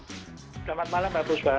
selamat malam mbak fusba